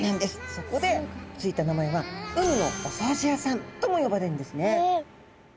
そこで付いた名前は海のお掃除屋さんとも呼ばれるんですね。